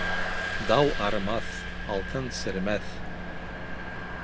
Дау арымаҫ, алтын серемәҫ.